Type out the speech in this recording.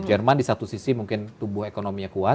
jerman di satu sisi mungkin tumbuh ekonominya kuat